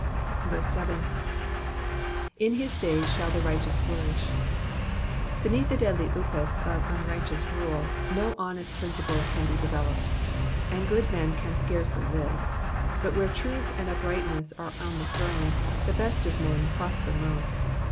7. /n his days shall the righteous flourish.'' Beneath the deadly Upas of unrighteous rule no honest principles can be developed, and good men can scarcely live ; but where truth and uprightness are on the throne, the best of men prosper most.